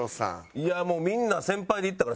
いやもうみんな先輩でいったから。